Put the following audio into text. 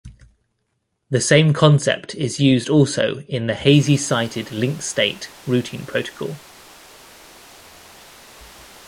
The same concept is used also in the Hazy Sighted Link State Routing Protocol.